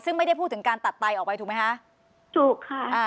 ซึ่งไม่ได้พูดถึงการตัดไตออกไปถูกมั้ยฮะ